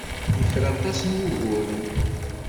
Yefra aṭas n wuguren.